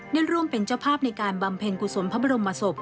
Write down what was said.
ได้ร่วมเป็นเจ้าภาพในการบำเพ็ญกุศลพระบรมศพ